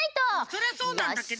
それはそうなんだけど。